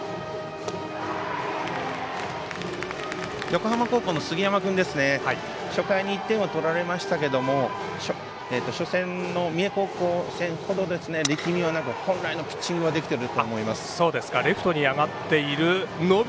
横浜高校の杉山君初回に１点を取られましたけれども初戦の三重高校戦でも力みはなく本来のピッチングができていると思います。